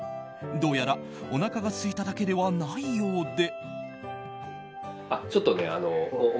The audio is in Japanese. どうやら、おなかがすいただけではないようで。